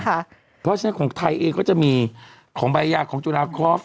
เพราะฉะนั้นของไทยเองก็จะมีของใบยาของจุฬาคอฟ